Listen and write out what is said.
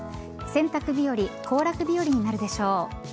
洗濯日和行楽日和になるでしょう。